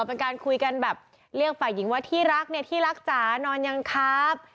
เป็นการคุยกันแบบเรียกฝ่ายหญิงว่าที่รักเนี่ยที่รักจ๋านอนยังครับ